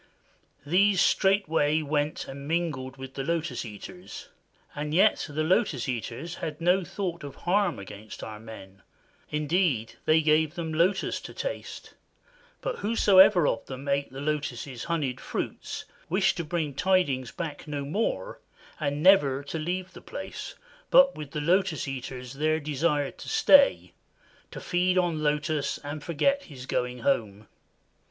These straightway went and mingled with the Lotus Eaters, and yet the Lotus Eaters had no thought of harm against our men; indeed, they gave them lotus to taste; but whosoever of them ate the lotus' honeyed fruit wished to bring tidings back no more and never to leave the place, but with the Lotus Eaters there desired to stay, to feed on lotus and forget his going home.